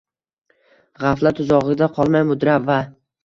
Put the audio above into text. G’aflat tuzog’ida qolmay mudrab va